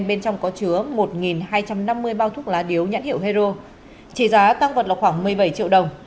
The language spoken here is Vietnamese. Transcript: bên trong có chứa một hai trăm năm mươi bao thuốc lá điếu nhãn hiệu hero trị giá tăng vật là khoảng một mươi bảy triệu đồng